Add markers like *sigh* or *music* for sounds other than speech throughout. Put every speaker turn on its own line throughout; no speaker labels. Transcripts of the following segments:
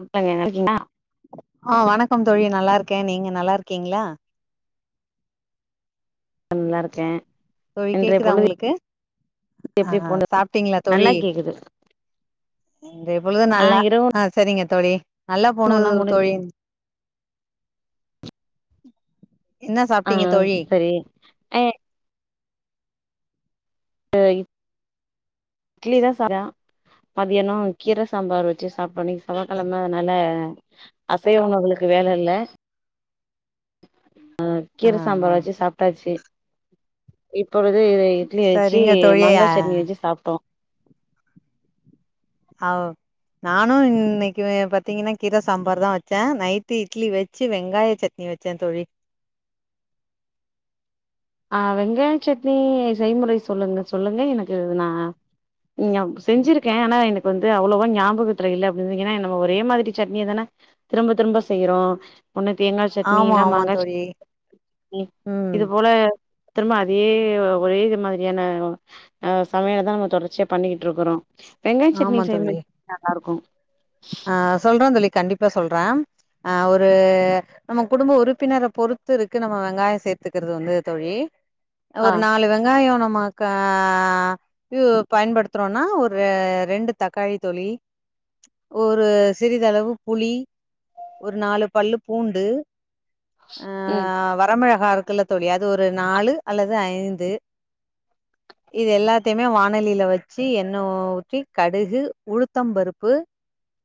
வணக்கங்க நல்லா இருக்கீங்ளா
ஆ வணக்கம் தோழி நல்லா இருக்கே நீங்க நல்லா இருக்கீங்ளா
நல்லா இருக்கே
தோழி
இன்றைய
கேக்குதா
பொழுது
உங்களுக்கு ஆ
எப்படி போனது
சாப்ட்டீங்களா
நல்லா
தோழி
கேக்குது
இன்றைய பொழுது
ஆ
நல்லா
இரவு
ஆ செரிங்க தோழி நல்லா போணுது
உணவெல்லா முடிஞ்
தோழி என்ன
ஆ
சாப்ட்டீங்க தோழி
செரி *unintelligible* இட்லி தா *unintelligible* மதியானோ கீர சாம்பாரு வெச்சி சாப்பிட்டோ இன்னிக்கு செவ்வாக்கெழம அதனால அசைவ உணவுகளுக்கு வேல இல்ல ஆ கீர சாம்பார் வெச்சி சாப்ட்டாச்சி இப்பொழுது இட்லி வெச்சி
சரிங்க தோழி ஆ
மங்காய் சட்னி வெச்சி சாப்ட்டோ
ஆவ் நானு இன்னிக்கு பாத்தீங்கன்னா கீர சாம்பார் தா வெச்சே நைட்டு இட்லி வெச்சி வெங்காய சட் ட்னி வெச்சே தோழி
ஆ வெங்காய சட்னி செய்முறை சொல்லுங்க சொல்லுங்க எனக்கு நா ஞம் செஞ்சிருக்க ஆனா எனக்கு வந்து அவ்வளவா ஞாபகத்துல இல்ல அப்டினு ஏனா நம்ம ஒரே மாதிரி சட்னிய தான திரும்ப திரும்ப செய்யிறோ ஓண்ணு தேங்கா சட்னி
ஆமா
இல்ல
ஆமா
மாங்கா
தோழி
சட்னி *unintelligible*
ம்
இது போல திரும்ப அதே ஒரே இது மாதிரியான அ சமையல தா நம்ம தொடர்ச்சியா பண்ணிக்கிட்டு இருக்குறோ வெங்காய சட்னி
ஆமா
செய்ய
தோழி
நல்லா இருக்கு
ஆ சொல்ற தோழி கண்டிப்பா சொல்ற அ ஒரு நம்ம குடும்ப உறுப்பினர பொறுத்து இருக்கு நம்ம வெங்காயோ சேத்துக்கிறது வந்து தோழி
ஆ
ஒரு நாலு வெங்காயோ நம்ம கா இது பயன்படுத்துறோனா ஒரு ரெண்டு தக்காளி தோழி ஒரு சிறிதளவு புளி ஒரு நாலு பல்லு பூண்டு ஆ
ம்
வரமெளகா இருக்குல்ல தோழி அது ஒரு நாலு அல்லது ஐந்து இது எல்லாத்தையுமே வாணலில வச்சி எண்ணெ ஊத்தி கடுகு உளுத்தம் பருப்பு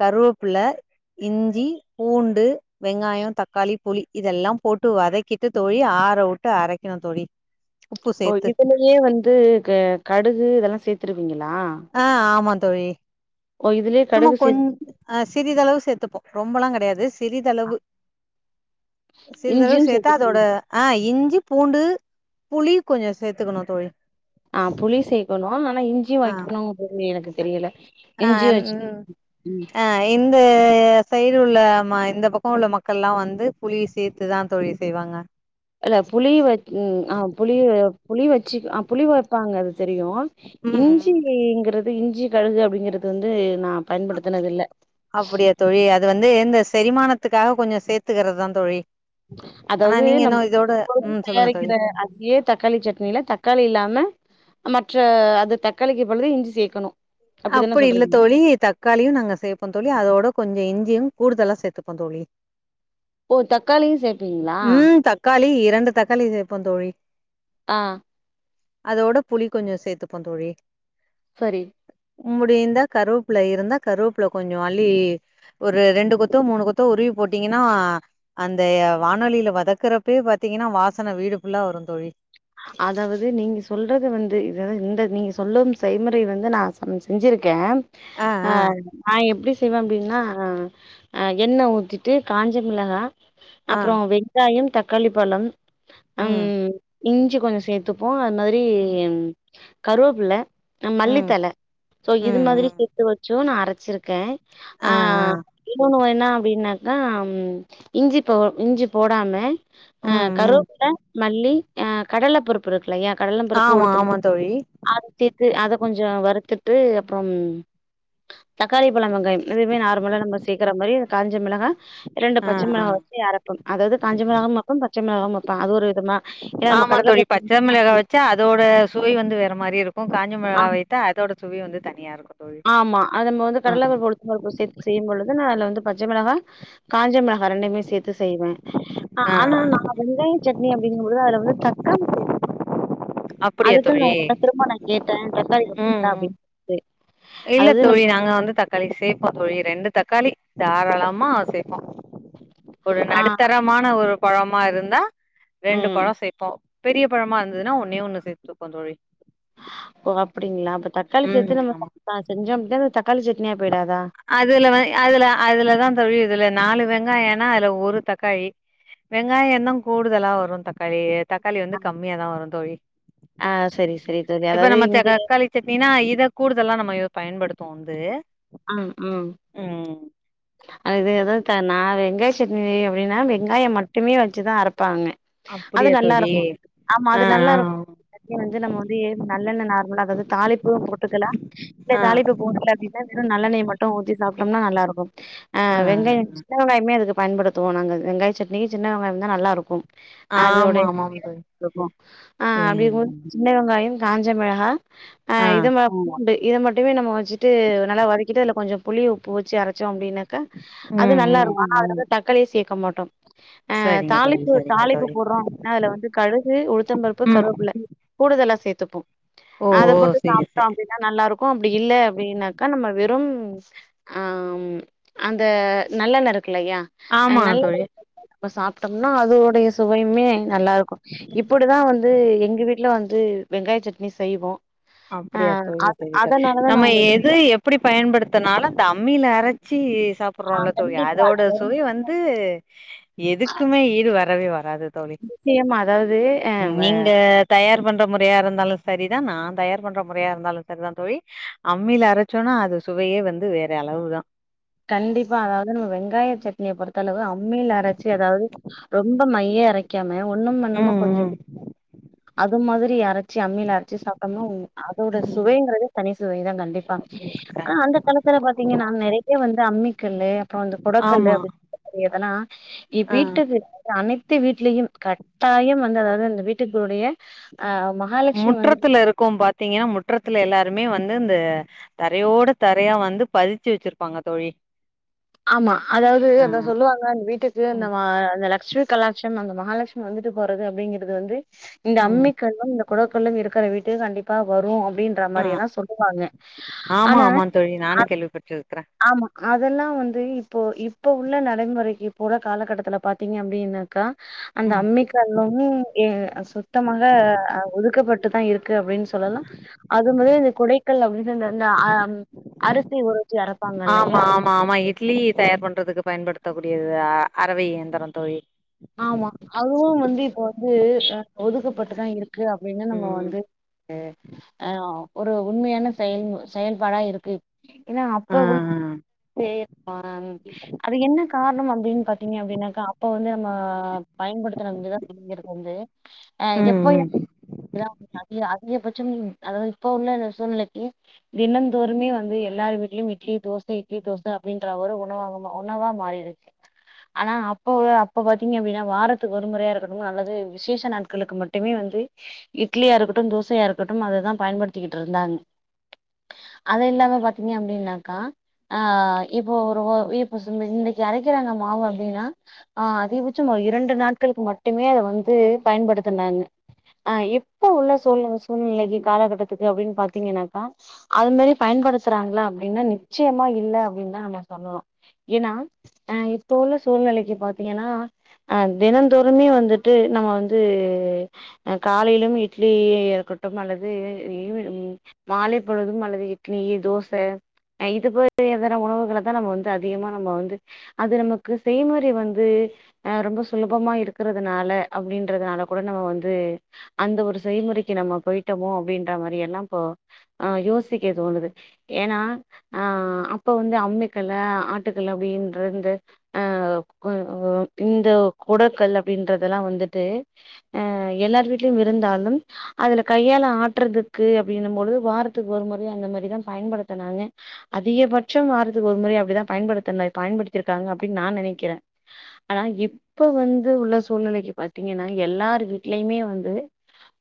கருவேப்பில்ல இஞ்சி பூண்டு வெங்காயோ தக்காளி புளி இதெல்லா போட்டு வதக்கிட்டு தோழி ஆற விட்டு அரைக்கணு தோழி உப்பு
இப்போ
சேத்து
இதுலயே வந்து கு கடுகு இதெல்லா சேத்துருவீங்களா
ஆ ஆமாந் தோழி
ஓ இதுலயே
சும்மா
கடுகு
கொஞ்
சேத்
ஆ சிறிதளவு சேத்துப்போ ரொம்பலா கெடையாது சிறிதளவு சிறிதளவு
இஞ்சியு
சேத்தா
சேத்து
அதோட அ இஞ்சி பூண்டு புளி கொஞ்சோ சேத்துக்கணு தோழி
ஆ புளி சேக்கணு ஆனா இஞ்சி வைக்கணு அப்டின்னு எனக்கு தெரியல
அ
இஞ்சி
ந்
வச்சு
அ அ இந்த சைடு உள்ள இந்த பக்கோ உள்ள மக்கள்ல்லா வந்து புளி சேத்துதா தோழி செய்வாங்க
இல்ல புளி வைக் ஆ புளி புளி வச்சி ஆ புளி வெப்பாங்க அது தெரியு
ம் ம்
இஞ்சிங்கிறது இஞ்சி கடுகு அப்டிங்கிறது வந்து நா பயன்படுத்தினது இல்ல
அப்படியா தோழி அது வந்து இந்த செரிமானத்துக்காக கொஞ்சோ சேத்துக்கிறதா தோழி ஆனா
அதாவது
நீங்க
நம்ம
இன்னு இதோட
*unintelligible*
ம் சொல்லுங்க
தயாரிக்கிற
தோழி
அதையே தக்காளி சட்னியில தக்காளி இல்லாம மற்ற அது தக்காளிக்கு பதிலா இஞ்சி சேக்கணு அப்டித்தான
அப்படி இல்ல
சொல்றீங்க
தோழி தக் தக்காளியு நாங்க சேப்போ தோழி அதோட கொஞ்சோ இஞ்சியு கூடுதலா சேத்துப்போ தோழி
ஓ தக்காளியு சேப்பீங்ளா
ம் தக்காளி இரண்டு தக்காளி சேப்போ தோழி
ஆ
அதோட புளி கொஞ்சோ சேத்துப்போ தோழி
சரி
முடிந்தா கருவேப்பில இருந்தா கருவேப்பில்ல கொஞ்சோ அள்ளி ஒரு ரெண்டு கொத்தோ மூணு கொத்தோ உருவி போட்டீங்கன்னா அந்த வானொலில வதக்குறப்பயே பாத்தீங்கன்னா வாசன வீடு ஃபுல்லா வரு தோழி
அதாவது நீங்க சொல்றது வந்து இத இந்த நீங்க சொல்லும் செய்முறை வந்து நா ம் செஞ்சிருக்க
ஆ
அ
ஆ
நா எப்டி செய்வ அப்டின்னா அ எண்ணெ ஊத்திட்டு காஞ்ச மிளகா
ஆ
அப்றோ வெங்காயம் தக்காளி பழம் அம்
ம்
இஞ்சி கொஞ்சோ சேத்துப்போ அது மாதிரி
ம்
கருவேப்பிள்ள
ம்
மல்லித்தல ஸோ
ம்
இது மாதிரி
ம்
சேத்து வச்சும் நா அரச்சிருக்க ஆ இன்னொண்ணு வேனா அப்டின்னாக்கா இஞ்சி போ இஞ்சி போடாம அ
ம் ம்
கருவேப்பில மல்லி அ கடலை பருப் ப்பு இருக்கு இல்லையா கடலன் பருப்பு
ஆமா
உளுத்தம்பரு
ஆமா தோழி.
அத சேத்து அத கொஞ்சம் வறுத்துட்டு அப்றம் தக்காளி பழ வெங்காயம் எதுவுமே நார்மலா நம்ம சேக்கற மாதிரி காஞ்ச மிளகா ரெண்டு
ஆ
பச்ச
ஆ
மிளகா வச்சு அறப்பம் அதாவது கஞ்சே மெளக வப்போம் பச்ச மெளகவும் வப்பம் அது ஒரு விதமா ஏன்னா நம்ம
ஆமா
கடல
தோழி
பருப்பு
பச்ச
உளுத்தம்
மெளகா
பருப்பு
வச்சு வச்சா அதோட சுவை வந்து வேற மாரி இருக்கும் காஞ்ச மெளகா
ஆம்
வைத்தா அதோட சுவை வந்து தனிய இருக்குன்
ஆமா அது நம்ம வந்து கடல பருப்பு உளுத் உங்களுக்கு சேத்து செய்யும் பொழுது நான் அதுல வந்து பச்ச மெளகா காஞ்ச மெளகா ரெண்டுமே சேத்து செய்வேன் அ
ஆ
ஆனா
ஆ.
நா வந்து சட்னி அப்டிங்கும்போது அதுல வந்து தக்காளி சேப்பேன்
அப்படியா
அதுதான் நா
தோழி
உங்க கிட்ட திரும்ப நா கேட்டேன் தக்காளி
ம்
போடுவீங்ளா
ம்
அப்டின்னு
இல்ல தோழி நாங்க வந்து தக் க்காளி சேப்போ தோழி ரெண்டு தக்காளி தாராளமா சேப்போன் ஒரு
ஆ
நடுத்தரம் மான ஒரு பழமா இருந்தா ரெண்டு
ம்.
பழம் சேப்போம் பெரிய பழமா இருந்ததுன்னா ஒன்னே ஒண்ணு சேத்துப்போன் தோழி
ஓ அப்டிங்களா அப்ப தக்காளி
ம்
சேத்து
ஆமா
நம்ம செஞ்சோம் அப்பனா அத் தக்காளி சட்னியா போயிடாதா
அதுல வ அதுல அதுலதான் தோழி இதுல நாலு வெங்காயம்னா அதுல ஒரு தக்காளி வெங்காயம் தா கூடுதலா வரும் தக்காளி தக் க்காளி வந்து
ஆ.
கம்மியாதா வரும் தோழி
ஆ சரி சரி தோழி
இப்ப
அதாவது
நம்ம
இங்க
க்காளி சட்னீனா இத கூடுதல நம்ம இத பயன்படுத்வோ ந்து
ம் ம்
உம்
அது எதோ நா வெங்காய சட்னி அப்டினா வெங்காயம் மட்டுமே வச்சுதான் அரைப்பாங்க அது
அப்படியா
நல்லா
தோழி
இருக்கும் ஆமா
ஆ
அது நல்லா இருக்கும் சட்னி வந்து நம்ம வந்து நல்லெண்ண நார்மலாகாது தாலிப்பும் போட்டுக்கலாம் இல்ல
ஆ ஆ
தாளிப்பு போடுல அப்டின்னா வெரும் நல்லெண்ணை மட்டும் ஊத்தி சாப்ட்டோம்னா நல்லாருக்கும் ஆ வெங்காயம் சின்ன வெங்காயமே அதுக்கு பயன்படுத்துவோ நாங்க வெங்காயம் சட்னிக்கு சின்ன வெங்காயம் தா நல்லா இருக்கும் அதோட
ஆமா ஆமாம் தோழி
*unintelligible* ஆ
ஏ
அப்டிங் போது சின்ன வெங்காயம் காஞ்ச மிளகா ஆ இது பூண்டு இத மட்டுமே நம்ம வச்சு ட்டு நல்லா வதக்கிட்டு அதுல கொஞ்ஜோ புளி உப்பு வச்சு அரச்சோ அப்டின்னாக்கா அது
ம்
நல்லா
ம்
இருக்கும் தக்காளிய சேக்க மாட்டோம் அ
சரிங்க தோழி
தாளிப்பு
சரிங்க
தாளிப்பு
தோழி
போட்றோம் நா அதுல வந்து கடுகு உளுத்தம்பருப்பு
ம்
கருவேப்பிள்ள கூடுதலா சேத்துப்போ
ஓ
அத
ஓ
போட்டு
சரி
சாப்ட்டோம்
சரி
அப்டி னா நல்லா இருக்கும் அப்டி இல்ல அப்டின்னாக்கா நம்ம வெறும் அ ம்‌ அந்த நல்லெண்ண இருக்குல்லயா
ஆமா
நல்லெண்
தோழி
*unintelligible* இப்ப சாப்ட்டோம்னா அதோடைய சுவையுமே நல்லா இருக்கும் இப்டிதா வந்து எங்க வீட்ல வந் து வெங்காய சட்னி செய்வோம்
அப்டியா தோழி சரி தோழி நம்ம
நா உங்ககிட்ட
எது எப் டி பயன்படுத்தனாலு அந்த அம்மில அரைச்சி சாப்புற ள்ள தோழி
கண்டிப்பா
அதோட சுவை வந்து எதுக்குமே ஈடு வரவே வராது தோழி
நிச்சயமா அதாவது அ வ
நீங்க தயார் பண்ற முறையா இருந்தாலு சரிதா நா தயார் பண்ற முறையா இருந்தாலு சரிதா தோழி அம்மில அரச்சோனா அது சுவையே வந்து வேற அளவு தான்
கண்டிப்பா அதாவது நம்ம வெங்காய சட்னிய பொறுத்த அளவு அம்மியில அரச்சி எதாவது ரொம்ப மைய அரைக் வைக்காம ஒண்ணும் பண்ணாம கொஞ்ச
ம்
அது மாதிரி அரைச்சு அம்மில அரைச்சு சாப்டம்னா அதோட
ம் ம்.
சுவைங்கிறதே தனி சுவைதா கண்டிப்பா ஆனா அந்த காலத்துல பாத்தீங்கன்னா நெறைய வந்து அம்மிக்கல்லு அப்பறோ அந்த கொடக்கல்லு
ஆமா
அப்டின்னு சொ எதல்லா இ
ஆ
வீட்டுக்கு அனைத்து வீட்டுலயும் கட்டாயம் வந்து அதாவது அந்த வீட்டுக்கூடயே அ ஆமா
முற்றத்துல இருக்கு பாத்தீங்கன்னா முற்றத்துல எல்லாருமே வந்து இந்த தரையோட தரையா வந்து பதிச்சு வச்சுருப்பாங்க தோழி
ஆமா அதாவது
ஆ
அத சொல்லுவாங்க அந்த வீட்டுக் து அந்த
ம்.
மா அந்த லட்சுமி கலாட்சம் அந்த மகாலட்சுமி வந்துட்டு போறது அப்டிங்கிறது வந்து இந்த
ம்.
அம்மிகல்லுக்கும் இந்த குடக்கல்லும் இருக்குற வீட்டுக்கு கண்டிப்பா வரு அப்புடின் ன்ற
ஆ
மாரியேதா சொல்லுவாங்க
ஆமா
ஆனா
ஆமா தோழி
ஆ
நானு கேள்விப்பட்டிருக்கிறே
ஆமா அதெல்லா வந்து தயே இப்போ இப்ப உள்ள நடைமுறைக்கு போல காலகட்டத்துல பாத்தீங்க அப்டின்னாக்க அந்த அம்மிக்கல்லும் எ சுத்தமாக அது ஒதுக்கப்பட்டுதா இருக்கு அப்டின்னு சொ சொல்லலாம் அது மாதிரி அந்த குடைக்கல் அப்டினா என்ன இந்த அ அம் அரிசி உற வச்சு அரப்பாங்க இல்லையா
ஆமா ஆமா ஆமா இட்லி தயார் பண்றதுக்கு பயன்படுத்தக்கூடியது அ அறவை இயந்திரோ தோழி
ஆமா அதுவும் வந்து இப்ப வந்து அ ஒதுக்கப்பட்டுதா இருக்கு க்கு அப்புடின்னு நம்ம
ம்
வந்து எ அ ஆ ஒரு உண்மையான செயல் செயல்பாடா இருக்கு ஏன்னா
ஆ ஆ
அப்ப உள்ள *inaudible* அதுக்கு என்ன காரணம் அப்டின்னு பாத் தீங்க அப்டின்னாக்கா அப்ப வந்து நம்ம பயன்படுத்துற விதம் அப்டிங்கிறது வந்து அ
ம்
எப்ப
ம்
என் எதாவது பாத்தியா அது அதிகப்பச்சம் நீங்க அதாவது இப்ப உள்ள சூழ்நிலைக்கி தினந்தோருமே வந்து எல்லார் வீட்லயும் இட்லி தோசை இட்லி தோச அப்டின்ற ஒரு உணவாகும் உணவா மாறி இருக்கு ஆனா அப்ப அப் அப்ப பாத்தீங்க அப்டின்னா வாரத்துக்கு ஒரு முறையா இருக்கட்டும் அல்லது விசேஷ நாட்களுக்கு மட்டுமே வந்து இட்லியா இருக்கட்டு தோசையா இருக்கட்டும் அததா பயன்படுத்திக்கிட்ருந்தாங்க அத இல்லாம பாத்தீங்க அப்டின்னாக்கா ஆ இப்போ ஒருவோ இப்ப சொன்னே இன்னைக்கு அரைக்கிறாங்க மாவு அப்டின்னா ஆ அதிகபட்சம் ஒரு இரண்டு நாட்களுக்கு மட்டுமே அத வந்து பயன்படுத்துனாங்க ஆ இப்ப உள்ள சூழ்நில சூழ்நிலைக்கி காலகட்டத்துக்கு அப்டின்னு பாத்தீங்கன்னாக்கா அது மாரி பயன்படுத்துறாங்களா அப்டின்னா நிச்சயமா இல்ல அப்டின்னுதா நம்ம சொல்லணு ஏன்னா ஆ இப்போ உள்ள சூழ்நிலைக்கி பாத்தீங்கன்னா அ தினந்தோறுமே வந்துட்டு நம்ம வந்து ஆ காலையிலும் இட்லி இருக்கட்டும் அல்லது *unintelligible* மாலை பொழுதும் அல்லது இட்லி தோச இது போது எதான உணவுகளத்தா நம்ம வந்து அதிகமா நம்ம வந்து அது நமக்கு செய்முறை வந்து ந்து அ ரொம்ப சுலபமா இருக்குறதுனால அப்டின்றதுனால கூட நம்ம வந்து அந்த ஒரு செய்முறைக்கு நம்ம பொயிட்டமோ அப்புடின்ற மாரி எல்லாம் இப்போ ஆ யோசிக்க தோணுது ஏன்னா அ அப்ப வந்து அம்மிக்கல்லு ஆட்டுக்கல்லு அப்டின்ற இந்த ஆ கோ இந்த கூடக்கல் அப்டின்றதெல்லா வந்துட்டு ஆ எல்லார் வீட்லையும் இருந்தாலும் அதுல கையால ஆட்டுறதுக்கு அப்டின்ற பொழுது வாரத்துக்கு ஒரு முறை அந்த மாரிதான் பயன்படுத்துனாங்க அதிகபட்சம் வாரத்துக்கு ஒரு முறை அப்டிதா பயன்படுத்துனே பயன்படுத்திருக்காங்க அப்டின்னு நா நெனைக்கிறே ஆனா இப்ப வந்து உள்ள சூழ்நிலைக்கி பாத்தீங்கன்னா எல்லார் வீட்லையுமே வந்து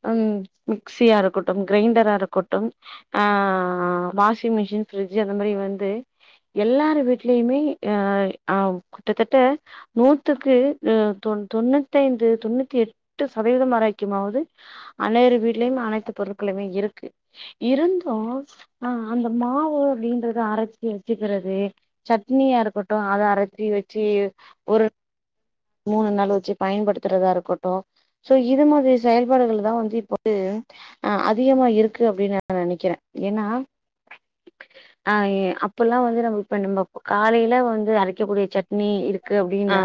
ம் மிக்சியா இருக்கட்டும் கிரைண்டரா இருக்கட்டும் ஆ ஆ ஆ வாஷிங் மிஷின் பிரிஜ் அந்த மாதிரி வந்து எல்லார் வீட்லயுமே ஆ ஆ கிட்டத்தட்ட நூத்துக்கு அ தொ தொண்ணூத்தி ஐந்து தொண்ணூத்தி எட்டு சதவீதம் வரைக்குமாவது அனைவரும் வீடலயுமே அனைத்து பொருட்களுமே இருக்கு இருந்தும் ஆ அந்த மாவு அப்படின்றத அரச்சி வச்சுக்கிறது சட்னியா இருக்கட்டும் அத அரச்சி வச்சு ஒரு மூணு நாள் வச்சு பயன்படுத்துறதா இருக்கட்டும் சோ இது மாதிரி செயல்பாடுகள் தா வந்து இப்போ வந்து ஆ அதிகமா இருக்கு அப்படின் நா நினைக்கிறே ஏன்னா அ அப்பல்லா வந்து நம்ம இப்ப நம்ம காலையில வந்து அரைக்கக்கூடிய சட்னி இருக்கு
ஆ
அப்படின்னா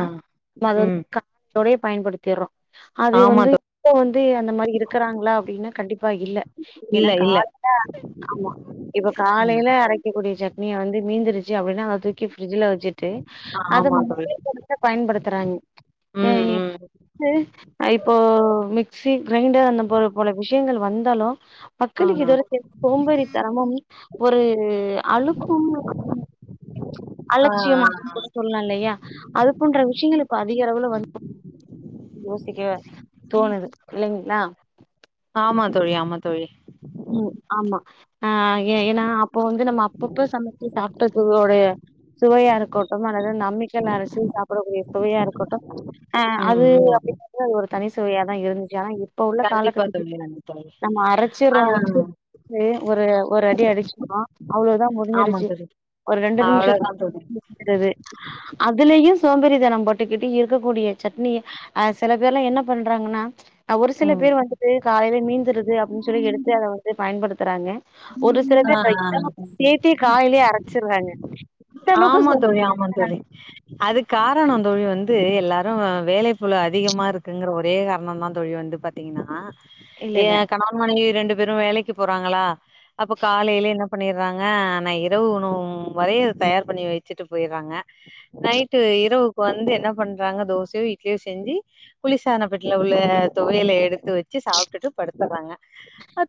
நம்ம அது வந்து
ம்
*unintelligible* பயன்படுத்திறோம் அது
ஆமா
வந்து
தோழி
இப்ப வந்து அந்த மாதிரி இருக்குறாங்களா அப்படின்னா கண்டிப்பா இல்ல ஏன்னா
இல்ல இல்ல
காலையில ஆமா இப்ப
ம்
காலையில அரைக்கக்கூடிய சட்னிய வந்து மீந்திருச்சு சு அப்படின்ன அத தூக்கி ப்ரிட்ஜ்ல வச்சுட்டு அத
ஆமா தோழி
எடுத்த பயன்படுத்துறாங்க
ம்
ம்ம்
ம்
வந்து இப்போ மிக்சி கிரைண்டர் அந்த போ போல விஷயங்கள் வந்தாலும்
ஆ
மக்களுக்கு
ஆ
இதுவ சேத்து சோம்பேரி தரமும் ஒரு அழுப்பும்
ஆ, ஆ.
அலட்சியமா ல்லா இல்லையா அது போன்ற விஷயங்கள் இப்ப அதிக அளவுல வந்து யோசிக்க தோணுது இல்லைங்களா
ஆமா தோழி ஆமா தோழி
உம் ஆமா ஏ ஏன்னா இப்போ வந்து நம்ம அப்பப்ப சமச்சு சாப்ட்டதுடைய சுவையா இருக்கட்டும் அல்லது அந்த அம்மிக்கல்ல அரச்சு சாப் ப்டகூடிய சுவையா இருக்கட்டும் ஆ
ம்
அது
ம்
அப்படின்ற அது ஒரு தனி சுவையாதா இருந்துச்சு இப்ப உள்ள
கண்டிப்பா
காலகட்டத்தில்
தோழி நன்றி தோழி
நமாம அரச்சு அப்புறோ
ஆ
மிக்சி ஒரு ஒரு ஒரு அடி அடிச்சோ அவ்வளவுதா
ஆமா
முடிஞ்சிருச்சு
தோழி
ஒரு ரெண்டு நிமிஷத்துல
அவ்ளோதா தோழி
முடிஞ்சிரது அதுலயு சோம்பறி தனம் பட்டுக்கிட்டு இருக்கக்கூடிய சட்னிய அ சில பேர்லா என்ன பண்றாங்கன்னா ஒரு சில
ம்.
பேர் வந்துட்டு காலையில மீந்துருது அப்படின் சொல்லி எடுத்து வந்து அத வந்து பயன்படுத்துறாங்க ஒரு சில
ஆ
பேரு
ஆ
லைட்டா சேத்தே காலையிலயே அரச்சடுறாங்க
ஆமா தோழி ஆமா தோழி அது காரணம் தோழி வந்து எல்லாரும் வேலை பளு அதிகமா இருக்குங்கற ஒரே காரணம் தா தோழி வந்து பாத்த த்தீங்கனா
இல்ல
ஏ
இல்ல
கணவன் மனைவி ரெண்டு பேரும் வேலைக்கு போறாங்களா அப்ப காலையிலே என்ன பண்ணிறாங்க ஆனா இரவு உணவு வரை தயார் பண்ணி வச்சுட்டு போயிடுறாங்க நைட்டு இரவுக்கு வந்து என்ன பண்றாங்க தோசையோ இட்லியோ செஞ்சு குளிசாதன பெட்டில உள்ள தொவையல எடுத்து வச்சு சாப்ட்டுட்டு படுத்துறாங்க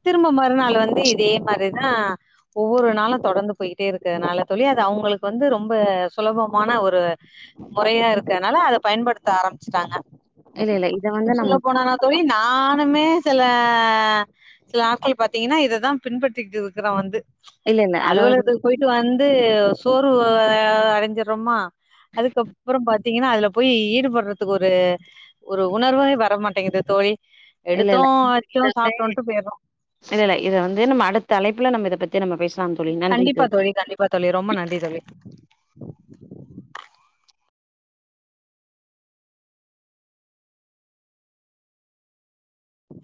திரும்ப மறுநாள் வந்து இதே மாதிரிதா ஒவ்வொரு நாளும் தொடர்ந்து போயிட்டே இருக்குறதுனால தோழி அவுங்களுக்கு வந்து ரொம்ப சுலபமான ஒரு முறையா இருக்கனால அத பயன்படுத்த ஆரம்பிச்சட்டாங்க
இல்ல இல்ல இத
எங்க
வந்து
சொல்ல
நம்ம
போனா தோழி நானுமே சில சில நாட்கள் பாத்தீங்கன்னா இத தா பின்பற்றிட்டு இருக்குற வந்து
இல்ல இல்ல அதாவது
அலுவலகத்துக்கு போயிட்டு வந்து சோர்வு அடைஞ்சடுறோமா அதுக்கப்றோ பாத்தீங்கன்னா அதுல போய் ஈடுபட்றதுக்கு ஒரு ஒரு உணர்வே வரமாட்டேங்குது தோழி
இல்ல
எடுத்தோ
இல்ல இத
வெச்சோ
வந்து
சாப்ட்டோன்ட்டு போயிறோ
இல்ல இல்ல இத வந்து நம்ம அடுத்த அழைப்புல நம்ம இத பத்தி நம்ம பேசலாம் தோழி நன்றி தோழி
இப்ப தோழி ரொம்ப நன்றி தோழி